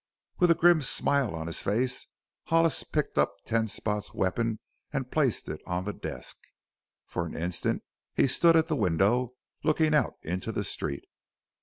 With a grim smile on his face Hollis picked up Ten Spot's weapon and placed it on the desk. For an instant he stood at the window, looking out into the street.